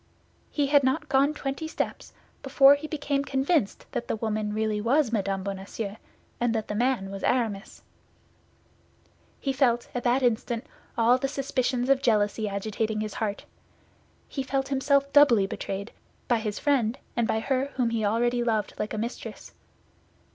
He had not gone twenty steps before he became convinced that the woman was really Mme. Bonacieux and that the man was Aramis. He felt at that instant all the suspicions of jealousy agitating his heart. He felt himself doubly betrayed, by his friend and by her whom he already loved like a mistress.